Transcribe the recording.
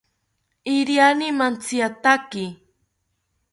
Iriani mantziataki